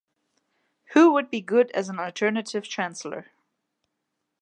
Who would be good as an alternative Chancellor?